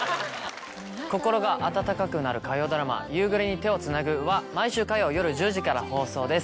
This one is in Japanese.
心が温かくなる火曜ドラマ『夕暮れに、手をつなぐ』は毎週火曜夜１０時から放送です。